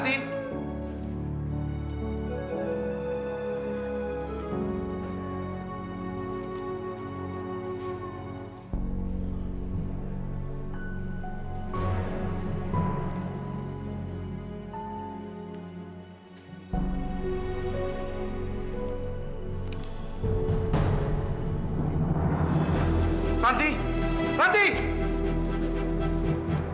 tapi ranti juga tahu